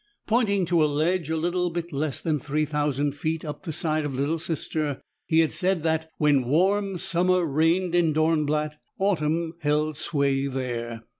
Pointing to a ledge a bit less than three thousand feet up the side of Little Sister, he had said that, when warm summer reigned in Dornblatt, autumn held sway there.